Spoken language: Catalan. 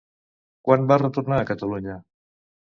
Quan va retornar a Catalunya?